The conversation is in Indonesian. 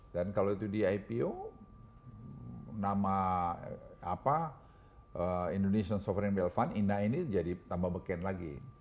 dan kalau itu di ipo nama apa indonesian sovereign rail fund inda ini jadi tambah beken lagi